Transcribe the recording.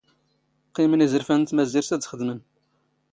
ⵇⵇⵉⵎⵏ ⵉⵣⵔⴼⴰⵏ ⵏ ⵜⵎⴰⵣⵉⵔⵜ ⴰⴷ ⵅⴷⵎⵏ.